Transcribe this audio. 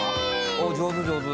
おっ上手上手。